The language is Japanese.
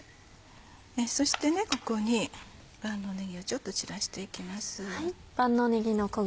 そしてここに万能ねぎをちょっと散らしていきます。